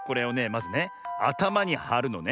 まずねあたまにはるのね。